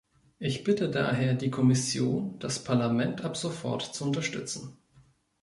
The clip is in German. Ich bitte daher die Kommission, das Parlament ab sofort zu unterstützen.